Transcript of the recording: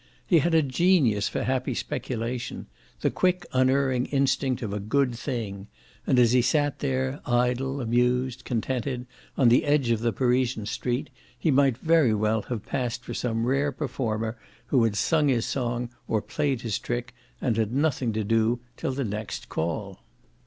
He had a genius for happy speculation, the quick unerring instinct of a "good thing"; and as he sat there idle amused contented, on the edge of the Parisian street, he might very well have passed for some rare performer who had sung his song or played his trick and had nothing to do till the next call.